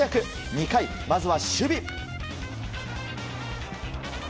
２回、まずは守備。